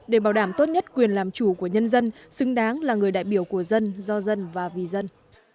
để bảo đảm tốt nhất quyền làm chủ của nhân dân xứng đáng là người đại biểu của dân do dân và vì dân